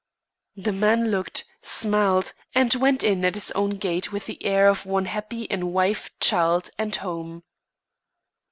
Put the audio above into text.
The man looked, smiled, and went in at his own gate with the air of one happy in wife, child, and home.